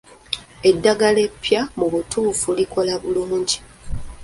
Eddagala eppya mu butuufu likola bulungi.